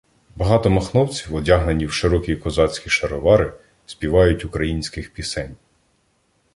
Багато махновців, одягнені в широкі козацькі шаровари, співають українських пісень.